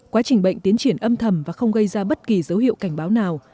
quá trình bệnh tiến triển âm thầm và không gây ra bất kỳ dấu hiệu cảnh báo nào